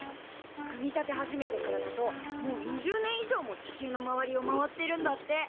組み立て始めてからだともう２０年以上も地球の周りを回ってるんだって。